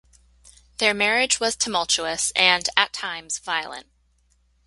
Their marriage was tumultuous and, at times, violent.